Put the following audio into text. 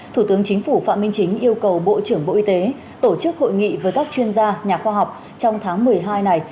thủ tướng chính phủ phạm minh chính yêu cầu bộ trưởng bộ y tế tổ chức hội nghị với các chuyên gia nhà khoa học trong tháng một mươi hai này